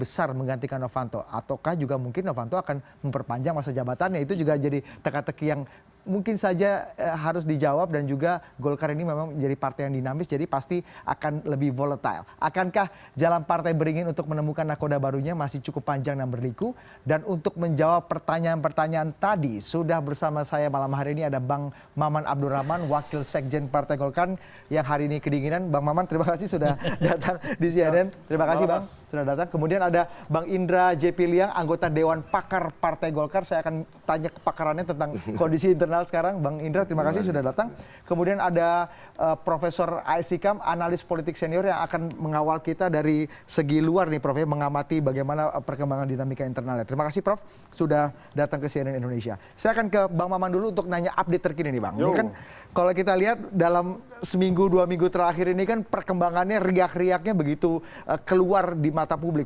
seminggu dua minggu terakhir ini kan perkembangannya riak riaknya begitu keluar di mata publik